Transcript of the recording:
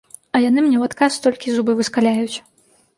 А яны мне ў адказ толькі зубы выскаляюць.